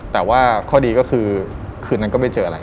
แต่ว่าข้อดีก็คือคืนนั้นก็ไม่เจออะไร